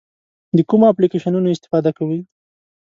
د کومو اپلیکیشنونو استفاده کوئ؟